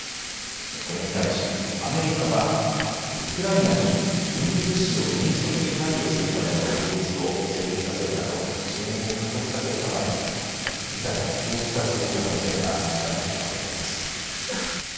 これに対しアメリカはウクライナに軍事物資を迅速に貸与するための法律を成立させるなど支援を加速させる構えで事態が長期化する可能性が一段と高まっています。